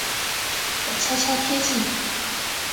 我悄悄贴近